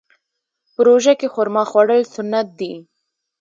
په روژه کې خرما خوړل سنت دي.